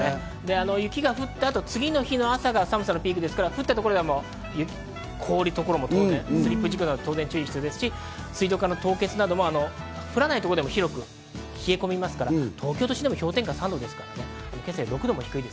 雪が降って次の日の朝が寒さのピークですから、降ったところ、凍るところも当然、注意が必要ですし、水道管の凍結なども、降らない所でも広く冷え込みますから、東京都心でも氷点下３度ですから。